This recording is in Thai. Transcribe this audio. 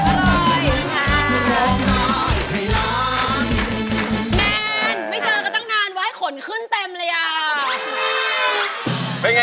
แณไม่เจอกันตั้งนานว่าไอ้ขนขึ้นเต็มเลยว่า